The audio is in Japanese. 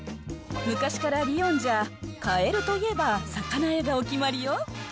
昔からリヨンじゃ、カエルといえば魚屋がお決まりよ。